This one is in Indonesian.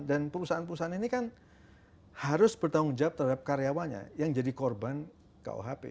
dan perusahaan perusahaan ini kan harus bertanggung jawab terhadap karyawannya yang jadi korban ke ohp